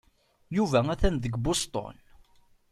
Yuba atan deg Boston.